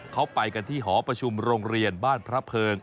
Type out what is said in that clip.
เขาไปกันที่หอประชุมโรงเรียนบ้านพระเพิง